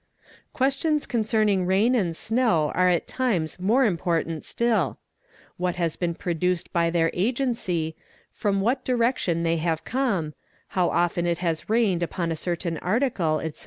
Questions concerning rain and snow are at times more important still; what has been produced by their agency, from what direction they have come, how often it has rained upon a certain article, etc.